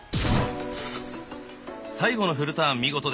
最後のフルターン見事でした。